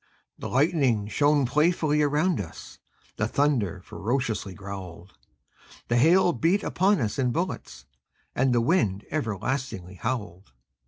The lightning shone playfully round us; The thunder ferociously growled; The hail beat upon us in bullets; And the wind everlastingly howled.